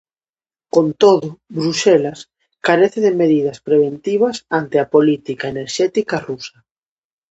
Con todo, Bruxelas carece de medidas preventivas ante a política enerxética rusa.